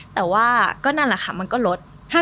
แต่ว่าก็นั่นแหละค่ะมันก็ลด